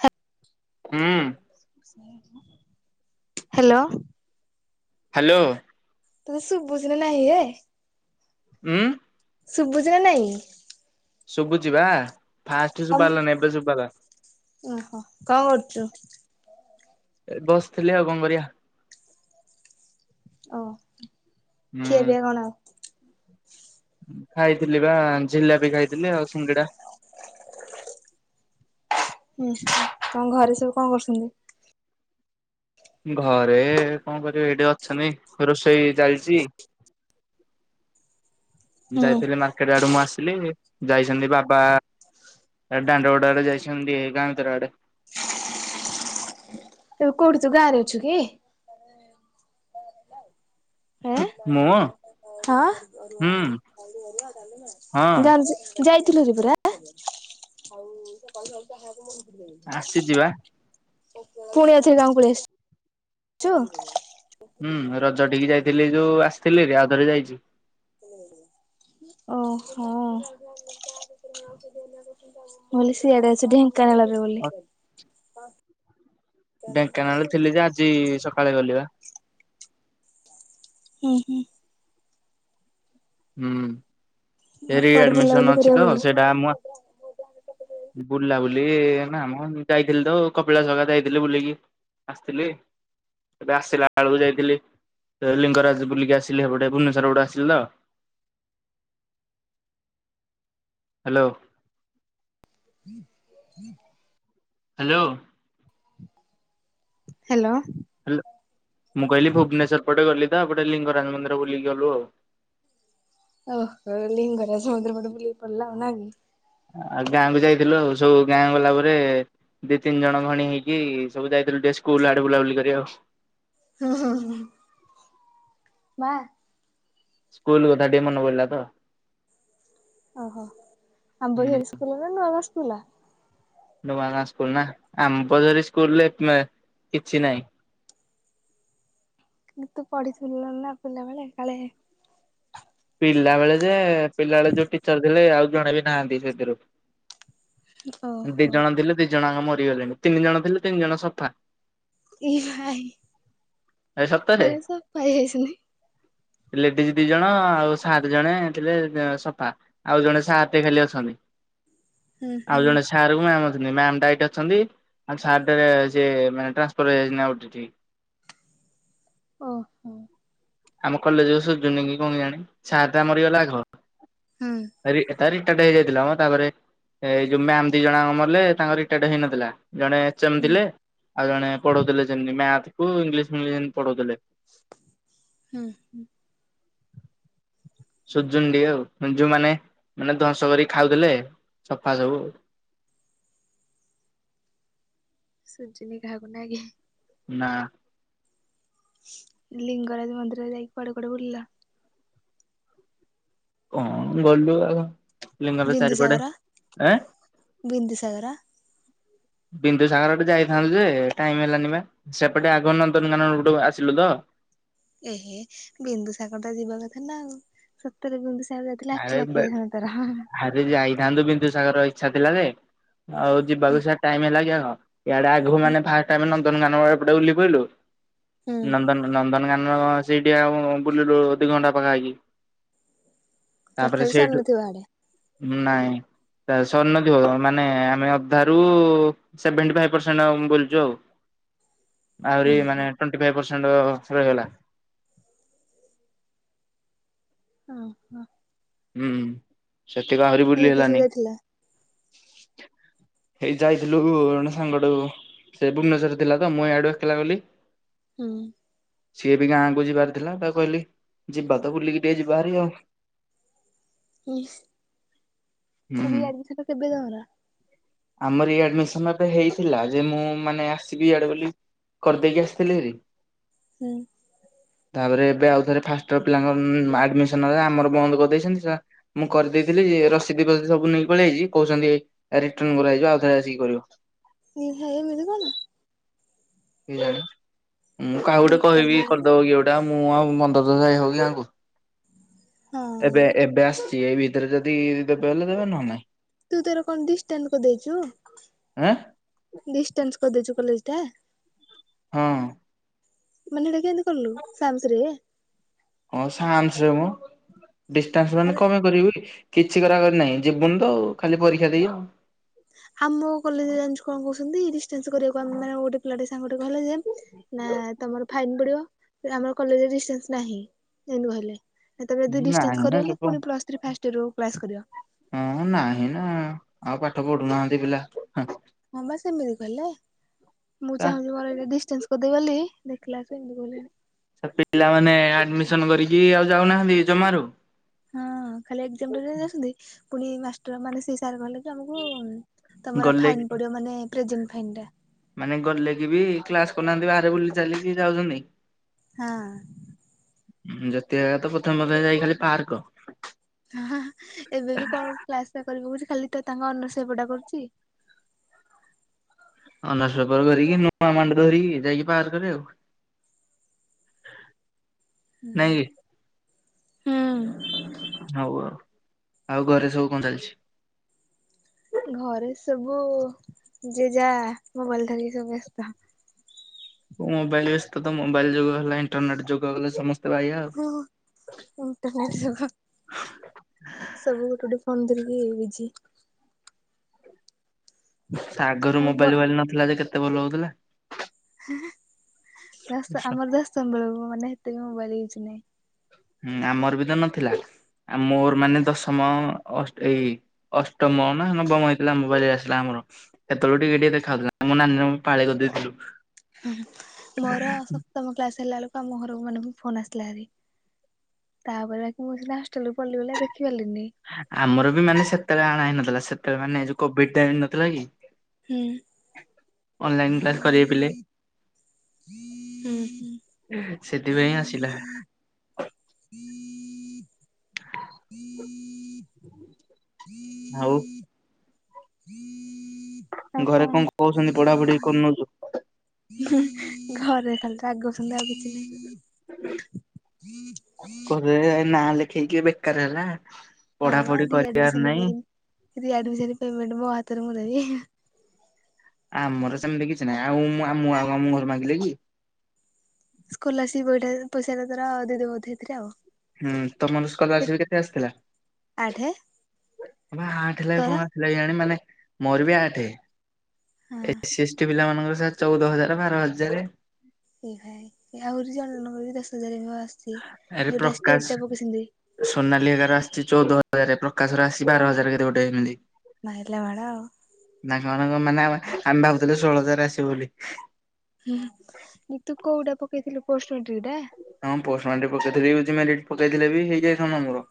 ହ ହୁଁ। Hello. Hello. ତୋତେ ଶୁଭୁଛି ନା ନାହିଁ ହେ? ଉଁ, ଶୁଭୁଚି ନା ନାଇଁ? ଶୁବୁଚି ବା। ଫାଷ୍ଟ ଶୁବା ହେଲାନି, ଏବା ଶୁବା ହେଲା। ଓହୋ କଣ କରୁଛୁ? ଏ ବସଥିଲେ ଆଉ କଣ କରିବା? ଓ, ହୁଁ। ଖିଆ ପିଆ କଣ? [inaudible] ଖାଇଥିଲି ବା ଝିଲାପି ଖାଇଥିଲି ଆଉ ସିଙ୍ଗିଡା। ହୁଁ, ତମ ଘରେ ସବୁ କଣ କରୁଚନ୍ତି? ଘରେ କଣ କରିବେ, ଏଇଠି ଅଛନ୍ତି, ରୋଷେଇ ଚାଲିଚି। ହୁଁ ଯାଇଥିଲି ମାର୍କେଟ ଆଡୁ ମୁଁ ଆସିଲି, ଯାଇଚନ୍ତି ବାବା ଏ ଦାଣ୍ଡ ଗୋଟରେ ଯାଇଚନ୍ତି, ଏ ଗାଁ ଭିତର ଆଡ଼େ। ଏବେ କଉଠି ତୁ, ଗାଁ ରେ ଅଛୁ କି? ମୁଁ [unintelligible] ହୁଁ ଯାଇଥିଲୁରେ ହଁ ପରା? ପୁଣି ଆଉଥରେ ଗାଁକୁ ଆସିଛି ବା। ପଳେଇ ଆସି ଚୁ ହୁଁ, ରଜ ଟିକି ଯାଇଥିଲି ଯୋଉ ଆସିଥିଲିରି, ଆଉଥରେ ଯାଇଚି। ଓ ହୋ ମୁଁ ଭାବିଲି ସିଆଡେ ଅଛୁ, ଢେଙ୍କାନାଳ ରେ ବୋଲି। ଢେଙ୍କାନାଳରେ ଥିଲି ଯେ, ଆଜି ସକାଳେ ଗଲିବା। ହୁଁ ହୁଁ। ହୁଁ, ଆଉ ଏରି କୁଆଡେ ବୁଲାବୁଲି ଆଡମିସନ ଅଛି କରିବାକୁ ତ, ଗଲୁ? ସେଇଟା ମୁ ବୁଲା ବୁଲି ନା ମ, ମୁଁ ଯାଇଥିଲି ତ, କପିଳାସ ହେଇକା ଯାଇଥିଲି ବୁଲିକି ଆସିଥିଲି। ଏବେ ଆସିଲା ବେଳକୁ ଯାଇଥିଲି, ଲିଙ୍ଗରାଜ ବୁଲିକି ଆସିଲି ହେପଟେ, ଭୁବନେଶ୍ୱର ଗୋଟେ ଆସିଲି ତ। ହାଲୋ। [unintelligible] ହାଲୋ। ହାଲୋ। ହାଲୋ, ମୁଁ କହିଲି ଭୁବନେଶ୍ୱର ପଟେ ଗଲି ତ, ଏପଟେ ଲିଙ୍ଗରାଜ ମନ୍ଦିର ବୁଲିକି ଗଲୁ ଆଉ। ଓହୋ, ଲିଙ୍ଗରାଜ ମନ୍ଦିର ପଟେ ବୁଲିକି ପଳେଇଲ ଆଉ ନାକି? ଆଉ ଗାଁକୁ ଯାଇଥିଲୁ ଆଉ, ସବୁ ଗାଁ ଗଲା ପରେ ଦି ତିନି ଜଣ ଖଣୀ ହେଇକି, ସବୁ ଯାଇଥିଲୁ ଟିକେ ସ୍କୁଲ ଆଡ଼େ ବୁଲାବୁଲି କରି ଆଉ। ହୋ ହୋ ହୋ ହୋ। ମା ସ୍କୁଲ କଥା ଟିକେ ମନେ ପଇଲା ତ? ଓହୋ, ଆମ୍ବଝରୀ ସ୍କୁଲ ନା ନୂଆ ଗାଁ ସ୍କୁଲ? ନୂଆ ଗଆଁ ସ୍କୁଲ ନା, ଆମ୍ବ ଧରୀ ସ୍କୁଲରେ କିଛି ନାହିଁ। କି ତୁ ପଢିଥିଲୁ ନା ପିଲାବେେଳେ, କାଳେ ପିଲା ବେଳେ ଯେ, ପିଲାବେେଳେ ଯୋଉ ଟିଚର ଥିଲେ, ଆଉ ଜଣେ ବି ନାହାନ୍ତି ସେଥିରୁ। ଦି ଓହୋ ଜଣ ଥିଲେ, ଦି ଜଣଆଙ୍କ ମରିଗଲେଣି, ତିନି ଜଣ ଥିଲେ ତିନି ଜଣ ସଫା। ଏ ଭାଇ, ଏ ସତରେ। ମାନେ ସଫା ହେଇ ଯାଇଚନି। ଲେଡିଜ ଦି ଜଣ ଆଉ ସାର ଜଣେ ଥିଲେ ସଫା ଆଉ, ଜଣେ ସାର ଟେ ଖାଲି ଅଛନ୍ତି। ହୁଁ ହୁଁ ଆଉ ଜଣେ ସା ସାର କୁ ମାମ ଅଛନ୍ତି, ମାମ ଟା ଏଇଠି ଅଛନ୍ତି, ଆଉ ସାର ଟେ ସେ ମାନେ ଟ୍ରାନ୍ସଫର ହେଇଯାଇଚନ୍ତି ଆଉ ଗୋଟେ ଠି କି। ଓହୋ। ଆମ କଲେଜ କ ସୁଜୁନି କି କଣ ଜାଣି? ସାର ଟା ମରିଗଲା ଆଗ ହୁଁ। ରି, ତା ରିତାର୍ଟ ହେଇଯାଇଥିଲା ମ, ତାପରେ ଏଇ ଯୋଉ ମ୍ୟାମ ଦି ଜଣଆଙ୍କ ମଲେ, ତାଙ୍କ ରିତାର୍ଟ ହେଇନଥିଲା, ଜଣେ ହୁଁ ସେମିଥିଲେ, ଆଉ ଜଣେ ପଢଉଥିଲେ ସେମିତି, ମ୍ୟାଥ କୁ ଇଂଲିଶ ଫିଙ୍ଗଲିଶ ଏମିତି ପଢଉଥିଲେ। ହୁଁ ହୁଁ। ସୁଜୁନଟିଏ ଆଉ ଉଁ ଯୋଉମାନେ ମାନେ ଧ୍ୱଂସ କରି ଖାଉଥୁଲେ ସଫା ସବୁ। ସୁଜିନି କାହାକୁ ନାଇଁ କି? ନାଁ। ଲିଙ୍ଗରାଜ ମନ୍ଦିର ଯାଇକି କୁଆଡ଼େ କୁଆଡ଼େ ବୁଲିଲ? କଁ ଗଲୁ ଆଉ ଲିଙ୍ଗର ଚାରିପଟେ ବିନ୍ଦୁସାଗର ଆଁ? ବିନ୍ଦୁସାଗର ବିନ୍ଦୁସାଗରଟେ ଯାଇଥାନ୍ତୁ ଯେ ଟାଇମ୍ ହେଲାନି ପା ସେପଟେ ଆଗ ନନ୍ଦନକାନନ ଉଟୁ ଆସିଲୁ ତ। ଏ ହେ ବିନ୍ଦୁସାଗରଟା ଯିବା କଥା ନା ଆଉ। ସତରେ ବୁିନ୍ଦୁସାଗର ଯାଇଥିଲେ ଆଖି ଲାଖି ଯଇଥାନ୍ତା ତର। ରେ ଯାଇଥାନ୍ତୁ ବିନ୍ଦୁସାଗର ଇଚ୍ଛା ଥିଲା ଯେ ଆଉ ଯିବାକୁ ସେ ଟାଇମ୍ ହେଲା କି ଆଉ? ଇଆଡ଼େ ଆଗୁକୁ ମାନେ ଫାଷ୍ଟେ ଆମେ ନନ୍ଦନକାନନ ଏପଟେ ଓଲ୍ହେଇ ପାଇଲୁ। ହୁଁ ନନ୍ଦନ ନନ୍ଦନକାନନ ସେଇଠି ଆଉ ବୁଲିଲୁ ଦି ଘଣ୍ଟା ପାଖାପାଖି। ତାପରେ ତଥାପି ସେଇଠୁ ସରିନଥିବ ହାଡେ। ନାଇଁ। ତା ସରିନଥିବ ମାନେ ଆମେ ଅଧାରୁ ସେଭେଣ୍ଟି ଫାଇ ପରସେଣ୍ଟ ବୁଲିଚୁ ଆଉ। ହୁଁ ଆହୁରି ମାନେ ଟ୍ୱେଣ୍ଟି ଫାଇ ପରସେଣ୍ଟ ରହିଗଲା। ଅହ। ହୁଁ ସେତିକ ଆହୁରି କିଏ ବୁଲି କିଏ ସବୁ ହେଲାନି। ଯାଇଥିଲ? ଏଇ ଯାଇଥିଲୁ ରଣ ସାଙ୍ଗଟେଉ ସେ ଭୁବନେଶ୍ବରେ ଥିଲା ତ ମୁଁ ଏଆଡ଼ୁ ଏକେଲା ଗଲି। ହୁଁ। ସିଏ ବି ଗାଁକୁ ଯିବାର ଥିଲା ତାଉ କହିଲି ଯିବା ତ ବୁଲିକି ଟିକେ ଯିବା ହାରି ଆଉ। ଇସ୍ ହୁଁ। ରିଆଡ଼ମିସତ କେବେ ତମର? ଆମ ରିଆଡ଼ମିସନ୍ ଏବେ ହେଇଥିଲା ଯେ ମୁଁ ମାନେ ଆସିବି ଇଆଡ଼େ ବୋଲି କରଦେଇକି ଆସଥିଲି ହାରି। ହୁଁ। ତାପରେ ଏବେ ଆଉ ଥରେ ଫାଷ୍ଟ୍ ଇୟର୍ ପିଲାଙ୍କ ଆଡ଼ମିଶନ ଏ ଆମର ବନ୍ଦ କରିଦେଇଛନ୍ତି ସା ମୁଁ କରିଦେଇଥିଲି ରସିଦି ଫସି ସବୁ ନେଇକି ପଳିଆଇଚି କୋହୁଚନ୍ତି ଏଇ ଟନ୍ ମରା ହେଇଯିବ ଆଉଥରେ ଆସିକି କରିବ। ନିହାର ମିଳିବ ନା? କିଇ ଜାଣି ମୁଁ କାହାକୁ ଗୋଟେ ମେଣ୍ଟାଲ କହିବି ହେଇଗଲାଣି। କରିଦବ କିଏ ଗୋ ତା ମୁଁ ଆଉ ମନ୍ଦ ଦ ଯାଇ ହବ କି ଗାଁକୁ ହଁ ଏବେ ଏବେ ଆସ୍ ତି ଏଇ ଭିତରେ ଯଦି ଦେବେ ହେଲେ ଦେବେ ନ ନାଇଁ। ତୁ ତୋର କଣ ଡିଷ୍ଟାଣ୍ଟ୍ କରଦେଇଚୁ? ଆଁ ଡିଷ୍ଟାନ୍ସ କର ଦେଇଚୁ କଲେଜ୍ ଟା? ହଁ। ମାନେ ହେଟା କେନ୍ତି କଲୁ ସାମସରେ? ହଁ ସାମସରେ ନୁହଁ। ଡିଷ୍ଟାନ୍ସର ହେନେ ମାନେ କମାଇ କରିବି? କିଛି କରା କରି ନାହିଁ ଯିବୁନି ତ ଆଉ ଖାଲି ପରୀକ୍ଷା ଦେଇ ଆମ କଲେଜ୍ ରେ ଜାଣିଛୁ କଁ କୋହୁଛନ୍ତି ଡିଷ୍ଟାନ୍ସ କରିବାକୁ ଆମେ ମାନେ ଗୋଟେ ପିଲାଟେ ସାଙ୍ଗଟେ କହଲା ଯେ ନାଁ ତମର ଫାଇନ୍ ପଡ଼ିବ। ଏରା ଆମର କଲେଜେ ଡିଷ୍ଟାନ୍ସ ନାହିଁ ଏନ୍ତି କହିଲେ। ନାଁ ତମେ ଯଦି ନାଇଁ ଡିଷ୍ଟାନ୍ସ ନା କରିଗଲ ଚୋପା ପୁଣି ପ୍ଲସ୍ ଥ୍ରୀ ଫାଷ୍ଟ ଇୟର୍ ରୁ କ୍ଳାସ୍ କରିବ। ହଁ ନାହିଁ ନାଁ ଆଉ ପାଠ ପଢୁନାହାନ୍ତି ପିଲା ମୁଁ। ହଁ ବା ସେମିତି କହିଲେ ମୁଁ ଚାହୁଁଚି ମୋର ଏଇଟା ଡିଷ୍ଟାନ୍ସ ଓଦେ ବୋଲି ଦେଖିଲା ସେ ଏମିତି କହିଲେ। ହେ ପିଲାମାନେ ଆଡ଼ମିଶନ୍ କରିକି ଆଉ ଯାଉନାହାନ୍ତି ଜମାରୁ? ହଁ ଖାଲି ଏକ୍ସମ୍ ଟା ଦେଇଦଉଛନ୍ତି ପୁଣି ମାଷ୍ଟର୍ ମାନେ ପୁଣି ସେଇ ସାରେ କହିଲେ ଆମକୁ ତମର ଗଲେ ଫାଇନ୍ ପଡିବ ମାନେ ପ୍ରେଜେଣ୍ଟ ଫାଇନ ଟା। ମାନେ ଗଲେ କି ବି କ୍ଲାସ କରୁନାହାନ୍ତି ବାହାରେ ବୁଲି ଚାଲିିକି ଯାଉଚନ୍ତି। ହଁ। ଯେତେବେଳେ ତ ପଥମେ ପଥମେ ଯାଇ ଖାଲି ପାର୍କ। ହଆଁ ହାଆଁ ଏବେ ବି କଣ କ୍ଲାସ ଟା କରି ପକଉଛି ଖାଲି ତ ତାଙ୍କ ଅନରସ୍ ପେପର୍ ଟା କରୁଛି। ଅନରସ୍ ପେପର୍ ଧରିକି ନୂଆ ମାଣ୍ଡୁ ଧରିକି ଯାଇକି ପାର୍କ ରେ ଆଉ। ନାଇଁ କି ଉଁ ହୁଁ। ହଉ ଆଉ ଆଉ ଘରେ ସବୁ କଣ ଚାଲିଛି? ଘରେ ସବୁ ଯିଏ ଯା ମୋବାଇଲ ଧରିକି ସବୁ ବେସ୍ତ। ମୋବାଇଲ ବ୍ୟସ୍ତ ତ ମୋବାଇଲ୍ ଯୁଗ ହେଲା ଇଣ୍ଟରନେଟ ଯୁଗ ଗଲା ସମସ୍ତ ହଁ [unintelligible] ଇଣ୍ଟରନେଟ ଯୁଗ ସବୁ ଗୋଟେ ଗୋଟେ ଫୋନ ଧରିକି ଵିଜି। ସେ ଆଗରୁ ଆଉ ବ ମୋବାଇ ଫୋବାଇଲି ନଥିଲା ଯେ କେତେ ଭଲ ହଉଥିଲା। ହାଆଁ ହାଆଁ ଦଶ ଆମର ଦଶମ ବେଳକୁ ମାନେ ହେତେ ବି ମୋବାଇଲ ୟୁଜୁ ନାହିଁ। ହୁଁ ଆମର ବି ତ ନଥିଲା ଆ ମୋର ମାନେ ଦଶମ ଅଷ୍ଟ ଏଇ, ଅଷ୍ଟମ ନା ନବମ ହେଇଥିଲା ମୋବାଇଲି ଆସିଲା ଆମର। ହେତେବେଳେକୁ ଟିକେ ଟିକେ ଦେଖାହଉଥିଲା ମୋ ନାନୀର ମୋର ପାଳି କରିଦେଇଥିଲୁ। ହୁଁ ହୁଁ ମୋର ସପ୍ତମ କ୍ଲାସ ହେଲା ବେଳକୁ ଆମ ଘରକୁ ମାନ ଫୋନ ଆସିଲାହେରି। ତାପରେ ବାକି ମୁଁ ସିନା ହଷ୍ଟେଲକୁ ପଳେଇଲି ବୋଲି ଆଉ ଦେଖି ପାରିଲିନି। ଆମର ବି ମାନେ ସେତେବେଳେ ଆଣା ହେଇନଥିଲା ସେତେବେଳେ ମାନେ କୋଭିଡ ଟାଇ ନଥିଲା କି? ହୁଁ ଅନଲାଇନ କ୍ଲାସ କର ପିଲେ। ହୁଁ। ଉ ହୁଁ ସେଥିପାଇଁ ହିଁ ଆସିଲା। [inaudible] ଆଉ [inaudible] ଘରେ କଣ କହୁଛନ୍ତି ପଢାପଢି କରୁନ ଯୁ? ହୁଁ ହୁଁ ଘରେ ଖାଲି ରାଗ ହଉଛନ୍ତି ଆଉ କିଛି ନାଇ। କହିଲେ ନା ଲେଖେଇକି ବେକାର ହେଲା। ପଢା ପଢି କରିବାର ନାହିଁ। ରି ଆଡିମିଶାରି ପେମେଣ୍ଟ ମୋ ହାତରୁ ମୁଁ ଦେବୀ। ଆ ଆମର ସେମିତି କିଛି ନାହିଁ ଆଉ ମୁଁ ଆମ ଆଉ ଆମ ଘରେ ମାଗିଲେ କି? ସ୍କୋର୍ଲାସିପି ପାଇଠା ପଇସା ଟା ତାର ଦେଇଦେବା ବୋଧେ ଏଇ ଥରେ ଆଉ। ହୁଁ ତମର କେ ସ୍କଲାର୍ଶିପକେତେ ଆସିଥିଲା? ଆଠେ ବା ଆଠ ଥିଲା ତୋର [unintelligible] ହେଲା କେଜାଣି ମାନେ ମୋର ବି ଆଠେ ହଁ ଏସିଏଷ୍ଟି ପିଲା ମାନଙ୍କର ଚଉଦ ହଜାର ବାର ହଜାରେ ଏ ଭାଇ ଆହୁରି ଜଣେ ଜଣଙ୍କର ବି ଦଶ ହଜାର ହବ ଆସିଛି ଆରେ ଯୋଉଟା ପ୍ରକାଶ ଷ୍ଟେଟ ଟା ପକେଇସନ୍ତି। ସୋନାଲି ହେକାର ଆସିଛି ଚଉଦ ହଜାର। ପ୍ରକାଶ ର ଆସିଛି ବାର ହଜାର କେତେ ଗୋଟେ ଏମିତି। ମାଇଲା ମାଡ ଆଉ ତାଙ୍କ ମାନଙ୍କ ମାନେ ଆମେ ଆମେ ଭାବୁଥିଲୁ ଷୋହଳ ହଜାର ଆସିବ ବୋଲି। ହୁଁ ହୁଁ ତୁ କୋଉଟା ପକେଇଥିଲୁ ପୋଷ୍ଟ ମାଟ୍ରିକ ଟା? ହଁ ପୋଷ୍ଟ ମାଟ୍ରିକି ଟା ପକେଇଥିଲି ୟୁଜି ମେରିଟି ପକେଇଥିଲେ ଵୀ ହେଇଯାଇଥାନ୍ତାମୋର।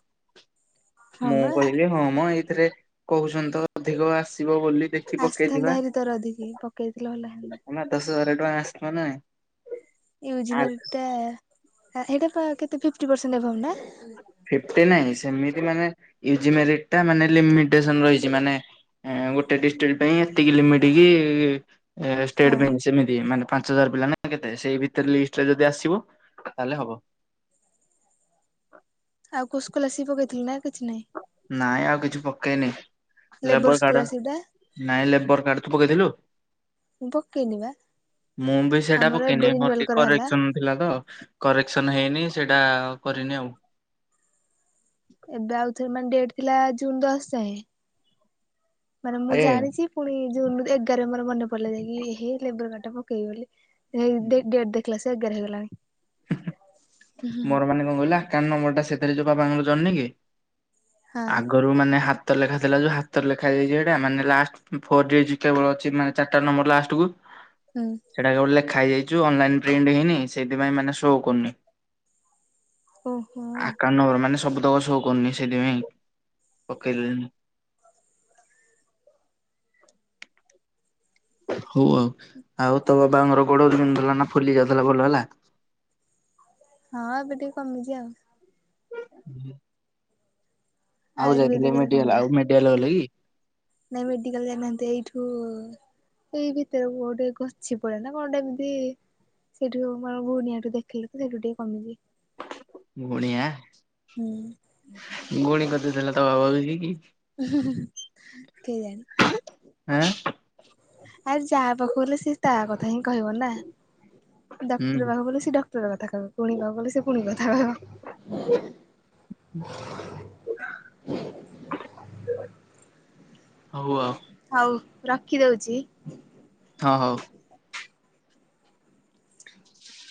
ହଁ ମୁଁ ବା କହିଲି ହଁମ ଏଇଥିରେ କହୁଚନ୍ତି ତ ଅଧିକ ଆସିବ ବୋଲି ଦେ ଆସିଥାନ୍ତା ହେରି ତରଅଧିକି ପକେଇଥିଲେ ଭଲ ହେଇଥାନ୍ତା। ତମେ ଦଶ ବରଟଙ୍କା ଆସଲନା? ୟୁଜୀମେରିଟଟା ହେଇଟା ପା କେତେ ଫିପଟି ପର୍ସେଣ୍ଟ ଅବଭ ନା? ଫିପଟି ନାଇଁ ସେମିତି ମାନେ ୟୁଜୀମେରିଟଟା ମାନେ ଲିମିଟେସନ ରହିଚି ମାନେ ଏଁ ଗୋଟେ ଡିଷ୍ଟ୍ରିକ୍ଟ ପାଇଁ ଏତିକି ଲିମିଟି କି ଓ ହଁ ଷ୍ଟେଟ ବେଞ୍ଚ ଯେମିତି ମାନେ ପାଞ୍ଚ ହଜାର ପିଲାନା କେତେ ସେଇ ଭିତରେ ଲିଷ୍ଟରେ ଯଦି ଆସିବ ତାହେଲେ ହବ। ଆଉ କୋଉ ସ୍କୁଲ ଆସିକି ପକେଇଥିଲୁ ନା ଆଉ କିଛି ନାଇଁ? ନାଇଁ ଆଉ କିଛି ପକେଇନି ଲେବର କାଡ ସ୍କଲାରସିପ ଟା ନାଇଁ ଲେବର କାର୍ଡ ତୁ ପକେଇଥିଲୁ? ମୁଁ ପକେଇନି ବା ମୁଁ ବି ସେଇଟା ଆମର ଏବେ ପକେଇନି ମୋର ରିନୁଆଲ ଟି କରାହେଲା। କାରେକ୍ସନ୍ ଥିଲା ତ କରେକ୍ସନ ହେଇନି ସେଇଟା କରିନି ଆଉ। ଏବେ ଆଉ ଥରେ ମାନେ ଡେଟ୍ ଥିଲା ଜୁନ ଦଶ ଯାଏଁ ମାନେ ମୁଁ ଆରେ ଜାଣିଚି ପୁଣି ଜୁନ ଏଗାର ମୋର ମନେ ପଡିଲେ ଯାଇକି ଏହେ ଲେବର କାଡଟା ପକେଇବି ବୋଲି ନାଇ ଡେ ଡେଟ ଦେ ଦେଖିଲା ସେ ଏଗାର ହେଇଗଲାଣି। ମୋର ମାନେ କଣ କହିଲ ଆକାଉଣ୍ଟ ନମ୍ବରଟା ସେଥିରେ ଯୋଉ ବାପାଙ୍କର ଜଏଣ୍ଟ ନୁହଁ କି ହଁ ଆଗ ଗରୁ ମାନେ ହାତ ଲେଖା ଥିଲା ଯୋଉ ହାତର ଲେଖାଦିଏ ଯୋଉଚିଟା ମାନେ ଲାଷ୍ଟ ଫୋର ଡିଜିଟଟା ମୋର ଅଛି ମାନେ ଚାରଟା ନମ୍ବର ଲାଷ୍ଟକୁୁ ହୁଁ। ସେଇଟା କେବଳ ଲେଖା ହେଇଯାଇଚୁ ଅନଲାଇନ ପ୍ରିଣ୍ଟ ହେଇନି ସେଇଥିପାଇଁ ମାନେ ଶୋ କରୁନି। ଓହୋ ଆକାଉଣ୍ଟ ନମ୍ୱର ମାନେ ସବୁତକ ସୋ କରନି ସେଇଥିପାଇଁ ପକେଇଲିନି। ହୋଉ ଆଉ ଆଉ ତୋ ବାବାଙ୍କର ଗୋଡ ବିନ୍ଧୁଥୁଲା ନା ଫୁଲି ଯାଉଥୁଲା ଭଲ ହେଲା? ହଁ ଏବେ ଟିକେ କମିଚି ଆଉ। ଉଁହୁଁ। ଆୟୁର୍ବେଦିକରେ ମେଡିକାଲ କମିଲା ଆଉ ମେଡିକାଲ ଗଲେ କି? ନାଇଁ ମେଡିକାଲ ଯାଇନାହାନ୍ତି ଏଇଠୁ ଏଇ ଭିତରକୁ ଗୋଟେ ଗଛିପୁରା ନା କଣ ଗୋଟେ ଏମିତି ସେଇଠୁ ମାନେ ଗୁଣିଆଠୁ ଦେଖେଇଲୁତ ସେଇଠୁ ଟିକେ କମିଚି। ଗୁଣୀଆ ହୁଁ ଗୁଣୀ କତିରେ ଦେଲେ ତ [unintelligible] କି। କେଜାଣି। ଆଁ ଆରେ ଯାହା ପାଖକୁ ଗଲେ ସିଏ ତା କଥା ହିଁ କହିବ ନା। ଡକ୍ତର ହୁଁ ପାଖକୁଗଲେ ସେ ଡକ୍ତର କଥା କହିବ ଗୁଣି ପାଖକୁ ସିଏ ଗୁଣି କଥା କହିବ। ହୋଉ ଆଉ। ହଉ ରଖିଦୋଉଚି। ହଁ ହୋଉ।